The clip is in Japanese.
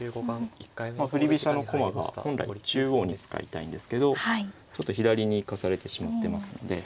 まあ振り飛車の駒が本来中央に使いたいんですけどちょっと左に行かされてしまってますので。